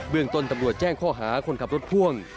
เมืองต้นตำรวจแจ้งข้อหาคนขับรถพ่วง